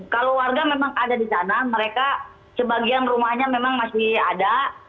kalau warga memang ada di sana mereka sebagian rumahnya memang masih ada